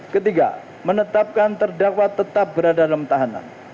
ketiga menetapkan terdakwa tetap berada dalam tahanan